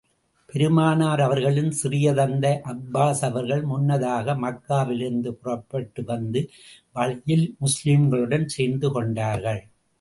பெருமானார் அவர்களின் சிறிய தந்தை அப்பாஸ் அவர்கள், முன்னதாக மக்காவிலிருந்து புறப்பட்டு வந்து, வழியில் முஸ்லிம்களுடன் சேர்ந்து கொண்டார்கள்.